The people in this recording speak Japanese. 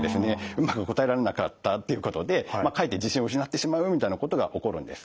うまく答えられなかったっていうことでかえって自信を失ってしまうみたいなことが起こるんですね。